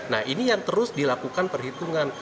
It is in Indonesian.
nah ini yang terus dilakukan perhitungan